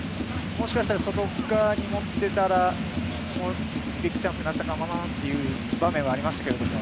もしかしたら外側に持ってたらビッグチャンスになっていたのかなという場面ではありましたけども。